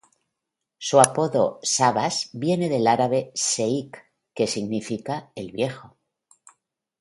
Su apodo ""Sabas"", viene del árabe "Sheik", que significa "El Viejo".